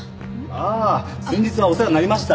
ああ先日はお世話になりました。